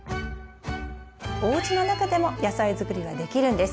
おうちの中でも野菜づくりはできるんです。